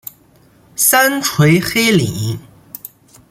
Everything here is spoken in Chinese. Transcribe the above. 三陲黑岭。